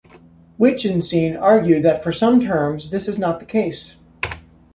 Wittgenstein argued that for some terms this is not the case.